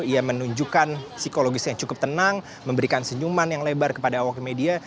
ia menunjukkan psikologis yang cukup tenang memberikan senyuman yang lebar kepada awak media